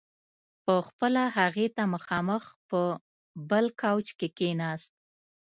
په خپله هغې ته مخامخ په بل کاوچ کې کښېناست.